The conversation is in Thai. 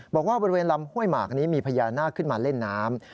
บริเวณลำห้วยหมากนี้มีพญานาคขึ้นมาเล่นน้ำ